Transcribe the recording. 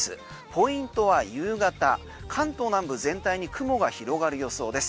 ポイントは夕方関東南部全体に雲が広がる予想です。